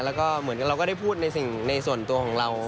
แล้วก็เหมือนกับเราก็ได้พูดในส่วนตัวของเรา